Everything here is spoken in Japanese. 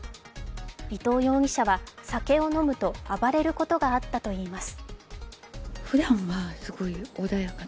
伊藤容疑者は、酒を飲むと暴れることがあったといいます。